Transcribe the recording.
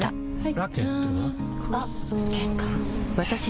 ラケットは？